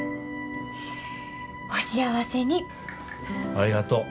ありがとう。